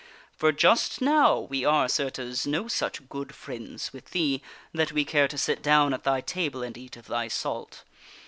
For just now we are, certes, no such good friends with thee that we care to sit down at thy table and eat of thy salt.